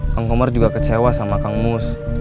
kang komar juga kecewa sama kang mus